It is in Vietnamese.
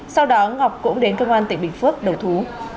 sau đó ngọc cũng đến công an tỉnh bình phước đầu thú